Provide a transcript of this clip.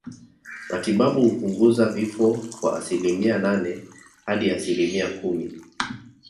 Matibabu hupunguza vifo kwa asilimia nane hadi asilimia kumi